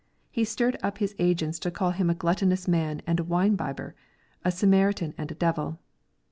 He stirred up his agents to call Him a gluttonous man and a winebibber, a Samaritan and a devil.